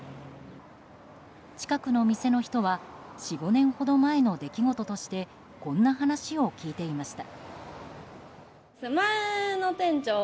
近くの店の人は４、５年ほど前の出来事としてこんな話を聞いていました。